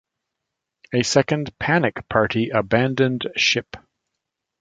A second "panic party" abandoned ship.